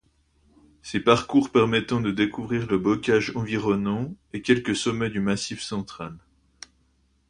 Ces parcours permettant de découvrir le bocage environnant, et quelques sommets du Massif central.